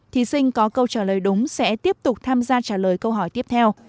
thí sinh có câu trả lời đúng sẽ tiếp tục tham gia trả lời câu hỏi tiếp theo